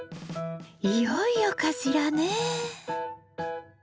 いよいよかしらね？